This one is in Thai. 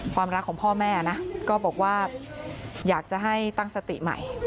ความรักของพ่อแม่นะก็บอกว่าอยากจะให้ตั้งสติใหม่